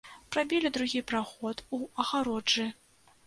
Прабілі другі праход у агароджы.